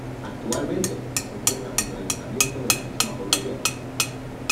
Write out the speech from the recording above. Actualmente, se encuentra junto al ayuntamiento de la misma población.